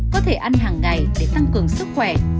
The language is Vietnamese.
có thể ăn hàng ngày để tăng cường sức khỏe